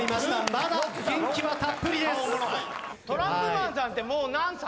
まだ元気はたっぷりです。